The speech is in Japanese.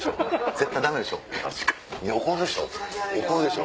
絶対ダメでしょ！